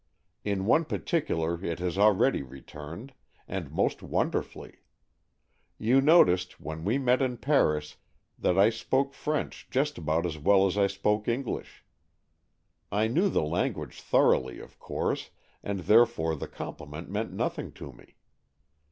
In one particular it has already returned, and most wonderfully. You noticed, when we met in Paris, that I spoke French just about as well as I spoke . English. I knew the language thoroughly, of course, and therefore the compliment meant nothing to me.